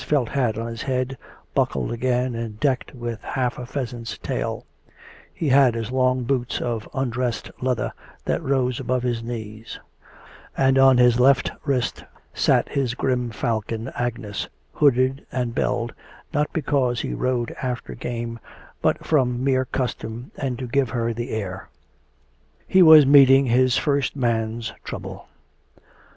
felt hat on his head, buckled again, and decked with half a pheasant's tail; he had his long boots of undressed leather, that rose above his knees ; and on his left wrist sat his grim falcon Agnes, hooded and belled, not because he rode after game, but from mere custom, and to give her the air. He was meeting his first man's trouble.